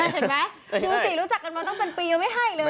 เห็นไหมดูสิรู้จักกันมาตั้งเป็นปียังไม่ให้เลย